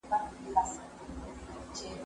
زه پرون چپنه پاکه کړه!؟